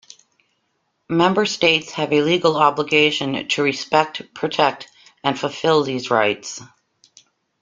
Member states have a legal obligation to respect, protect and fulfil these rights.